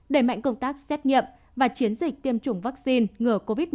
đẩy mạnh công tác xét nghiệm và chiến dịch tiêm chủng vaccine ngừa covid một mươi chín